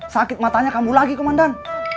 sakit matanya kambuh lagi komandan